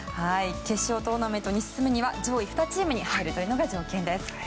決勝トーナメントに進むには上位２チームに入るのが条件です。